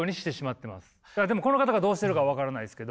でもこの方がどうしてるか分からないですけど。